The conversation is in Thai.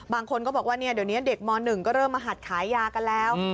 บางคนก็บอกว่าเดี๋ยวนี้เด็กม๑ก็เริ่มมาหัดขายยากันแล้ว